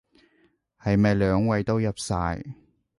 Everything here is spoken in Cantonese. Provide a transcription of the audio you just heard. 係咪兩位都入晒？